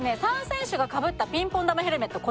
３選手がかぶったピンポン球ヘルメット